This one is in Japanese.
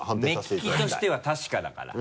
目利きとしては確かだから。